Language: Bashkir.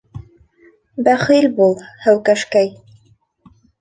Бәхил бул, һәүкәшкәй...